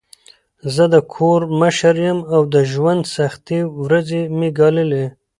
زه د کور مشر یم او د ژوند سختې ورځي مې ګاللي.